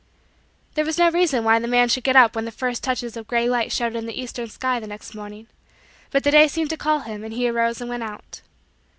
There was no reason why the man should get up when the first touches of gray light showed in the eastern sky the next morning, but the day seemed to call him and he arose and went out.